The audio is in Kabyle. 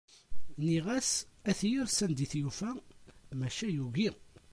Nniɣ-as ad t-yerr s anda i t-yufa, maca yugi.